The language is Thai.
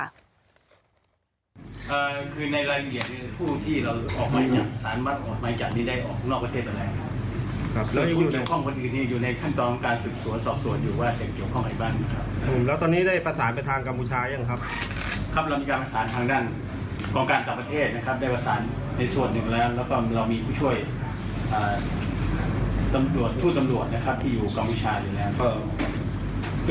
เนอะก็คือประเด็นนักหลังก็คือเรื่องเกี่ยวกับการขอแย้งทางด้านธุรกิจ